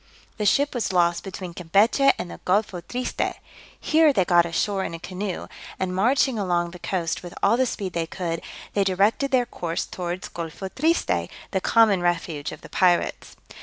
The ship was lost between Campechy and the Golpho Triste: here they got ashore in a canoe, and, marching along the coast with all the speed they could, they directed their course towards Golpho Triste, the common refuge of the pirates.